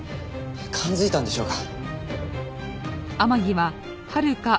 感づいたんでしょうか？